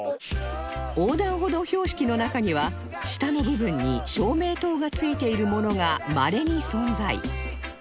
横断歩道標識の中には下の部分に照明灯が付いているものがまれに存在